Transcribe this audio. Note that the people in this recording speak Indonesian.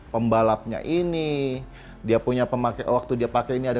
pembalapnya ini dia punya pemakai waktu dia pakai ini ada